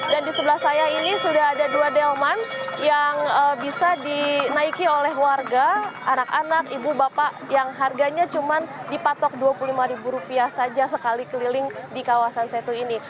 dan di sebelah saya ini sudah ada dua delman yang bisa dinaiki oleh warga anak anak ibu bapak yang harganya cuma dipatok dua puluh lima rupiah saja sekali keliling di kawasan setu ini